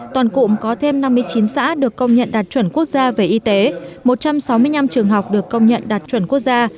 toàn cụm có thêm năm mươi chín xã được công nhận đạt chuẩn quốc gia về y tế một trăm sáu mươi năm trường học được công nhận đạt chuẩn quốc gia